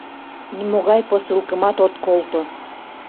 Нимогай посылкымат от колто.